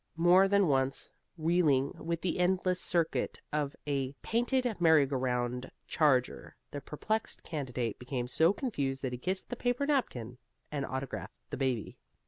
More than once, reeling with the endless circuit of a painted merry go round charger, the perplexed candidate became so confused that he kissed the paper napkin and autographed the baby.